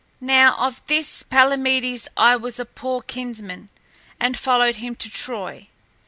Now, of this Palamedes I was a poor kinsman and followed him to Troy.